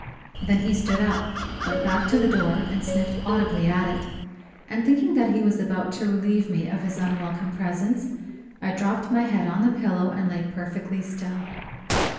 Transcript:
Then he stood up, went back to the door and sniffed audibly at it; and thinking that he was about to relieve me of his unwelcome presence, I dropped my head on the pillow and lay perfectly still.